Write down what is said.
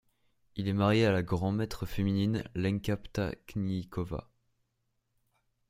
Il est marié à la grand maître féminine Lenka Ptáčníková.